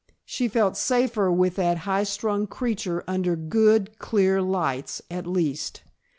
She felt safer with that high strung creature under good, clear lights, at least.